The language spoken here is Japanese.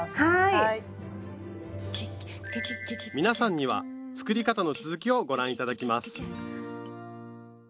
皆さんには作り方の続きをご覧頂きます